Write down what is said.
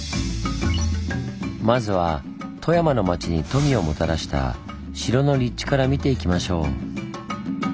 まずは富山の町に富をもたらした城の立地から見ていきましょう。